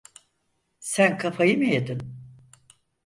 Sen kafayı mı yedin?